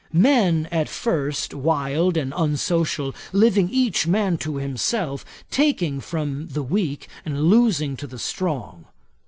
Men are first wild and unsocial, living each man to himself, taking from the weak, and losing to the strong.